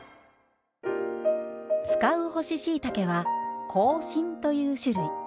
使う干ししいたけは香信という種類。